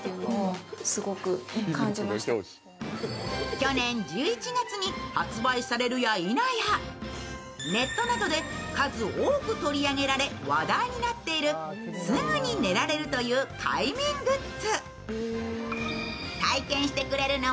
去年１１月に発売されるやいなや、ネットなどで数多く取り上げられ話題になっている、すぐに寝られるという快眠グッズ。